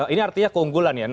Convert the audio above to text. ini artinya keunggulan ya